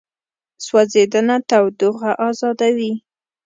سوځېدنه تودوخه ازادوي.